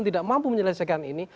tidak mampu menyelesaikan ini